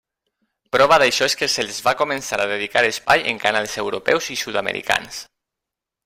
Prova d'això és que se'ls va començar a dedicar espai en canals europeus i sud-americans.